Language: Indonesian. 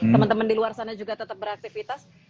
teman teman di luar sana juga tetap beraktivitas